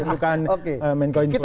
bukan mengakomodasi info